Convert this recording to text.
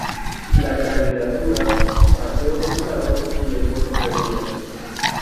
La candidatura "Paseo del Prado y el Buen Retiro.